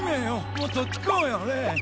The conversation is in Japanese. もっとちこうよれ。